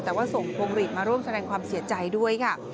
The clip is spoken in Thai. แต่ว่าส่งพวงหลีดมาร่วมแสดงความเสียใจด้วยค่ะ